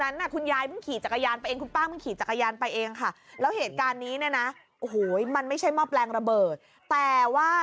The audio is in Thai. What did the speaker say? ้านคุณปั้งถียรจรกยานไปเองค่ะแล้วเหตุการณ์นี้นะโอ้โหมันไม่ใช่หมอบแรงระเบิดแต่ว่า